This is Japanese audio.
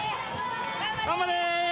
頑張れ！